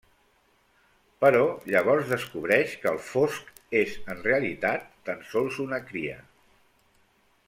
Però llavors descobreix que el Fosc és en realitat tan sols una cria.